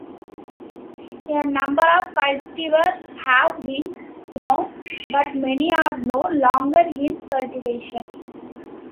A number of cultivars have been grown but many are no longer in cultivation.